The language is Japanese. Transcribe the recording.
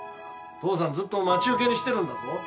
父さんずっと待ち受けにしてるんだぞ。